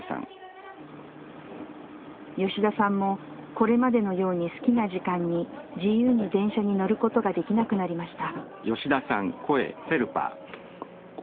吉田さんもこれまでのように好きな時間に自由に電車に乗ることができなくなりました。